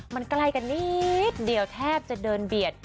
มันใกล้กันนิดเดียวแทบจะเดินเบียด